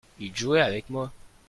il jouait avec moi.